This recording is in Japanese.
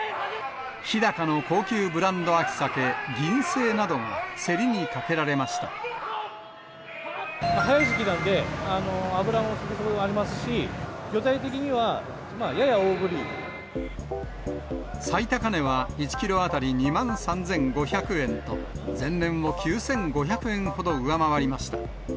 日高の高級ブランド秋サケ、銀聖などが、競りにかけられまし早い時期なので、脂もそこそこありますし、最高値は１キロ当たり２万３５００円と、前年を９５００円ほど上回りました。